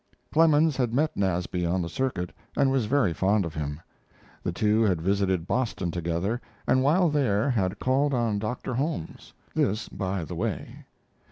Clemens had met Nasby on the circuit, and was very fond of him. The two had visited Boston together, and while there had called on Doctor Holmes; this by the way.